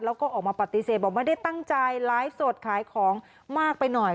แล้วก็ออกมาปฏิเสธบอกไม่ได้ตั้งใจไลฟ์สดขายของมากไปหน่อย